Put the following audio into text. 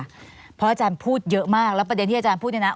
เพราะอาจารย์พูดเยอะมากแล้วประเด็นที่อาจารย์พูดเนี่ยนะ